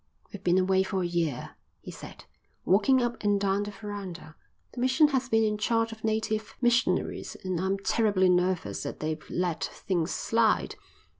"We've been away for a year," he said, walking up and down the verandah. "The mission has been in charge of native missionaries and I'm terribly nervous that they've let things slide.